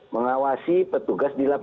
mengawasi petugas di lapangan